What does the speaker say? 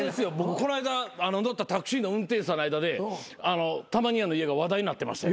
こないだ乗ったタクシーの運転手さんの間でさんま兄やんの家が話題になってましたよ。